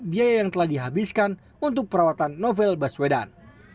biaya yang telah dihabiskan untuk perawatan novel baswedan